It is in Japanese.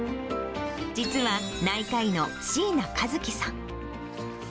実は内科医の椎名一紀さん。